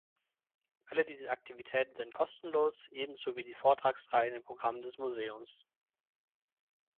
Alle diese Aktivitäten sind kostenlos, ebenso wie die Vortragsreihen im Programm des Museums.